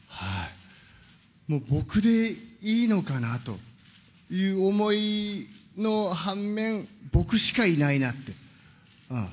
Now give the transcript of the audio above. もう僕でいいのかなという思いの反面、僕しかいないなって、うん。